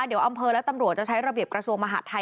เดี๋ยวอำเภอและตำรวจจะใช้ระเบียบกระทรวงมหาดไทย